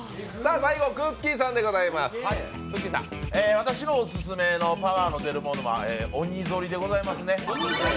私のオススメのパワーの出るものは鬼ぞりでございますね。